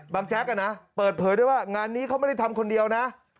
แจ๊กเปิดเผยได้ว่างานนี้เขาไม่ได้ทำคนเดียวนะ